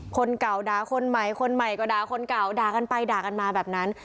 คนเก่าด่าคนใหม่คนใหม่ก็ด่าคนเก่าด่ากันไปด่ากันมาแบบนั้น